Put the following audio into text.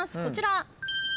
こちら。